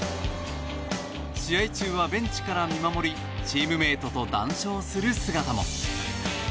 試合中はベンチから見守りチームメートと談笑する姿も。